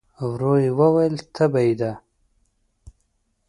ورو يې وویل: تبه يې ده؟